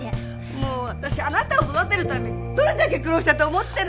もう私あなたを育てるためにどれだけ苦労したと思ってるの？